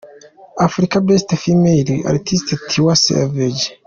Africa Best Female Artist Tiwa Savage.